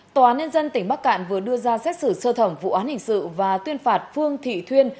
tòa án nhân dân tỉnh bắc cạn vừa đưa ra xét xử sơ thẩm vụ án hình sự và tuyên phạt phương thị thuyên